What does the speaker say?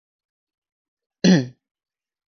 ツルハドラッグに行こう